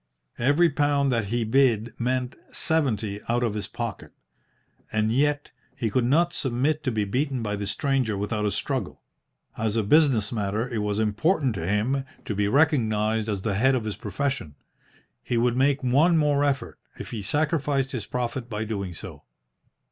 Every pound that he bid meant seventy out of his pocket. And yet he could not submit to be beaten by this stranger without a struggle. As a business matter it was important to him to be recognised as the head of his profession. He would make one more effort, if he sacrificed his profit by doing so.